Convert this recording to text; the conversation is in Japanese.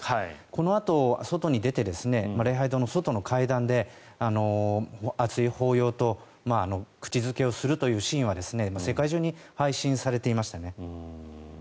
このあと、外に出て礼拝堂の外の階段で熱い抱擁と口付けをするというシーンは世界中に配信されていましたね。